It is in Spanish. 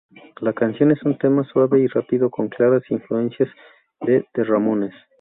La canción es un tema suave y rápido con claras influencias de The Ramones.